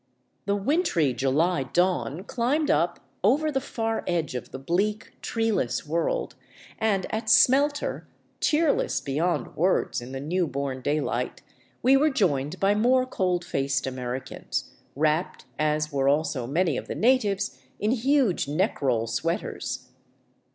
The wintry July dawn climbed up over the far edge of the bleak, treeless world, and at Smelter, cheerless beyond words in the new born daylight, we were joined by more cold faced Americans, wrapped, as were also many of the natives, in huge neck roll sweaters.